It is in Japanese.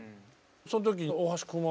その時に大橋くんは？